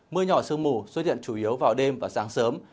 mưa nhỏ sương mù xuất hiện chủ yếu vào đêm và sáng sớm